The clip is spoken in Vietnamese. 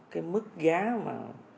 cái mức giá mà